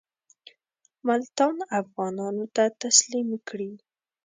ملتان افغانانو ته تسلیم کړي.